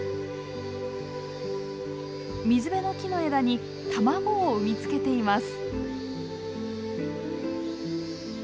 水辺の木の枝に卵を産みつけています。